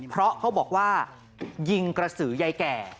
เพราะเขาบอกว่ายิงกระสือยายแก่